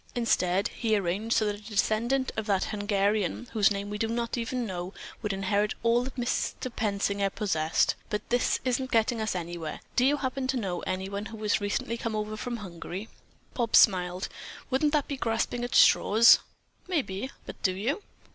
Instead, he arranged so that a descendant of that Hungarian, whose name we do not even know, would inherit all that Mr. Pensinger possessed. But this isn't getting us anywhere. Do you happen to know anyone who has recently come over from Hungary?" Bobs smiled. "Wouldn't that be grasping at straws?" "Maybe, but do you?"